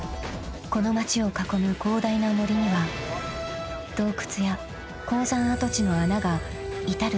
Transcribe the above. この町を囲む広大な森には洞窟や鉱山跡地の穴が至る所に口を開けている］